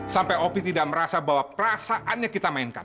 sampai opi tidak merasa bahwa perasaannya kita mainkan